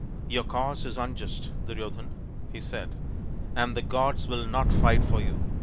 " Your cause is unjust, Duryo dhan," he said, " and the gods will not fight for you.